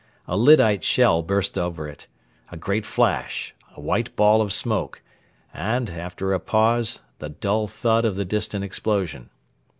A lyddite shell burst over it a great flash, a white ball of smoke, and, after a pause, the dull thud of the distant explosion.